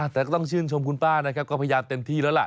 แต่ก็ต้องชื่นชมคุณป้านะครับก็พยายามเต็มที่แล้วล่ะ